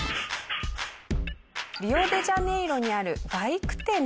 リオデジャネイロにあるバイク店です。